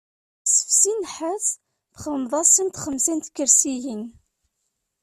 Sefsi nnḥas txedmeḍ-asent xemsa n tkersiyin.